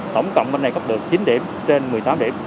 tổng cộng bên này có được chín điểm trên một mươi tám điểm